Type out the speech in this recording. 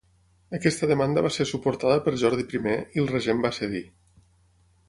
Aquesta demanda va ser suportada per Jordi I i el regent va cedir.